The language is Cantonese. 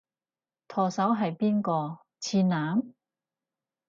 舵手係邊個？次男？